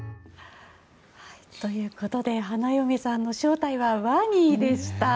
ということで花嫁さんの正体はワニでした。